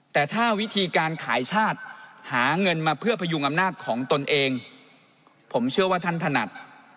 แต่ถ้าวิธีการขายชาติหาเงินมาเพื่อพยุงอำนาจของตนเองผมเชื่อว่าท่านถนัด